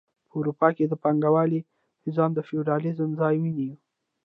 په اروپا کې د پانګوالۍ نظام د فیوډالیزم ځای ونیو.